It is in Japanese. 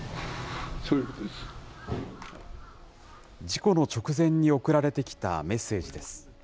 事故の直前に送られてきたメッセージです。